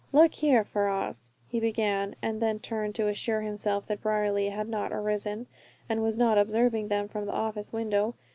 "Look here, Ferrars," he began, and then turned to assure himself that Brierly had not arisen, and was not observing them from the office window.